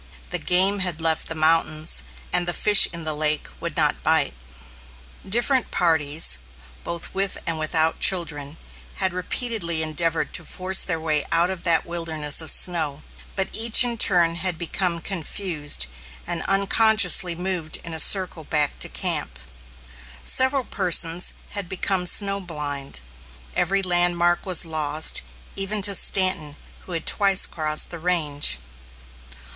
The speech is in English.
The game had left the mountains, and the fish in the lake would not bite. Different parties, both with and without children, had repeatedly endeavored to force their way out of that wilderness of snow, but each in turn had become confused, and unconsciously moved in a circle back to camp. Several persons had become snow blind. Every landmark was lost, even to Stanton, who had twice crossed the range.